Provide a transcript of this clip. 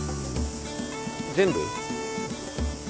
全部？